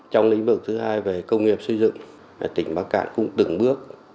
trong lĩnh vực thứ hai về công nghiệp xây dựng tỉnh bắc cạn cũng từng bước